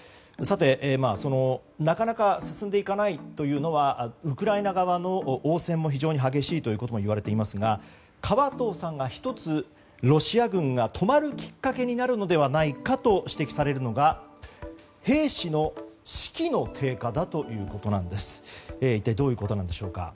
さて、なかなか進んでいかないというのはウクライナ側の応戦も非常に激しいということもいわれていますが河東さんが１つロシア軍が止まるきっかけになるのではないかと指摘されるのが、兵士の士気の低下だということです。